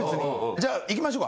じゃあいきましょうか。